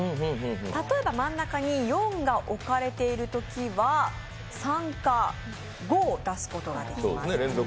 例えば真ん中に４が置かれているときは３か５を出すことができます。